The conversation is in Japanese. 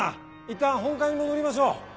いったん本館に戻りましょう。